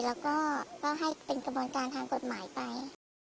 แล้วก็ให้เป็นกระบวนการทางกฎหมายไป